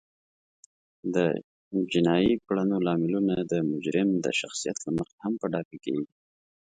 د جینایي کړنو لاملونه د مجرم د شخصیت له مخې هم په ډاګه کیږي